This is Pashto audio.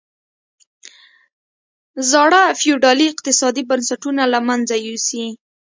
زاړه فیوډالي اقتصادي بنسټونه له منځه یوسي.